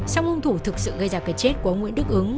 song hung thủ thực sự gây ra cái chết của ông nguyễn đức ứng